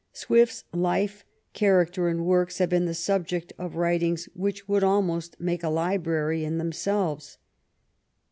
Swift's life, character, and works have been the subject of writings which would almost make a library in themselves.